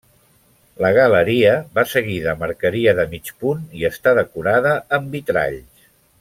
La galeria va seguida amb arqueria de mig punt i està decorada amb vitralls.